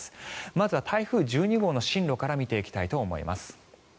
まずは台風１２号の進路から見ていきたいと思います。